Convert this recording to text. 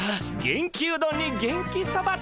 「元気うどん」に「元気そば」。